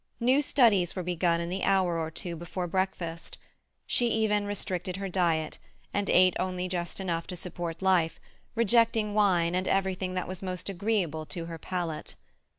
New studies were begun in the hour or two before breakfast. She even restricted her diet, and ate only just enough to support life, rejecting wine and everything that was most agreeable to her palate.